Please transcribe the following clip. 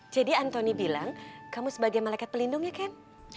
jadi antoni bilang kamu sebagai malaikat pelindung ya ken